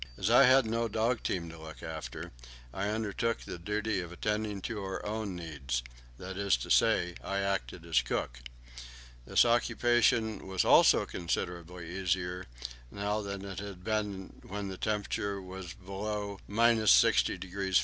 As I had no dog team to look after, I undertook the duty of attending to our own needs; that is to say, I acted as cook. This occupation also was considerably easier now than it had been when the temperature was below 60° F.